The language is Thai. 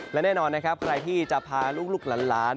และแน่นอนใครที่จะพาลูกหลาน